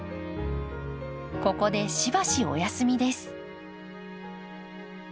ここでしばしお休みです。